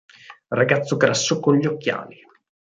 Ragazzo grasso con gli occhiali.